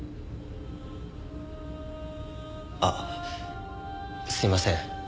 あっすいません。